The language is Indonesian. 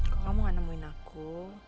kamu gak nemuin aku